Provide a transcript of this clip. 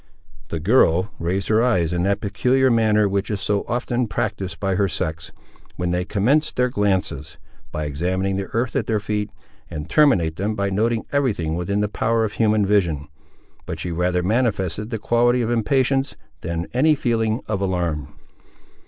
The girl raised her eyes, in that peculiar manner which is so often practised by her sex, when they commence their glances, by examining the earth at their feet, and terminate them by noting every thing within the power of human vision; but she rather manifested the quality of impatience, than any feeling of alarm.